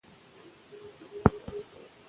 زده کوونکي به خپلې ستونزې حل کړي.